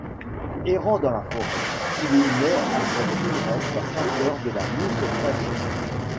Errant dans la forêt, il humait avec ivresse la senteur de la mousse fraîche.